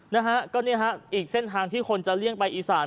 นะฮะก็เนี่ยฮะอีกเส้นทางที่คนจะเลี่ยงไปอีสาน